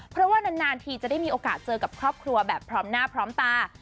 เพราะว่านานทีจะได้มีโอกาสเจอกับครอบครัวแบบพร้อมหน้าพร้อมตา